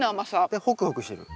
でホクホクしてる？